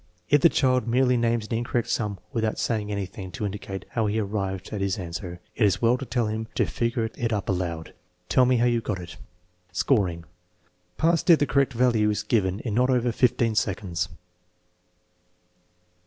If the child merely names an incorrect sum without saying anything to indicate how he arrived at his answer, it is well to tell him to figure it up aloud. " Tell me how you got it." Scoring. Passed if the correct value is given in not over fifteen seconds.